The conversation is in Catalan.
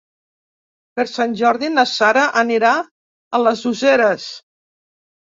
Per Sant Jordi na Sara anirà a les Useres.